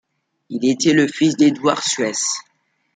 Il était le fils d'Eduard Suess.